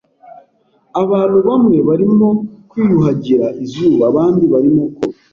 Abantu bamwe barimo kwiyuhagira izuba, abandi barimo koga.